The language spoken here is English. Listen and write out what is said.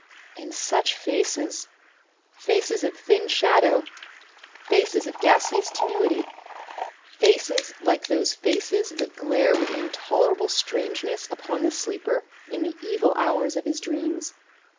And such faces! Faces of thin shadow, faces of gaseous tenuity. Faces like those faces that glare with intolerable strangeness upon the sleeper in the evil hours of his dreams.